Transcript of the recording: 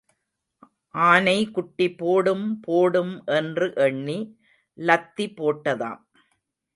ஆனை குட்டி போடும் போடும் என்று எண்ணி லத்தி போட்டதாம்.